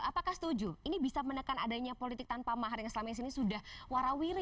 apakah setuju ini bisa menekan adanya politik tanpa mahar yang selama ini sudah warawiri